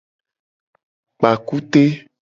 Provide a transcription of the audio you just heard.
Kpa kute.